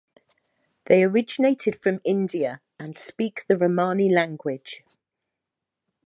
They originated from India and speak the Romani language.